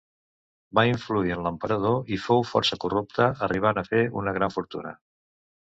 Va influir en l'emperador i fou força corrupte arribant a fer una gran fortuna.